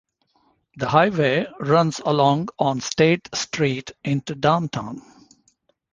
The highway runs along on State Street into downtown.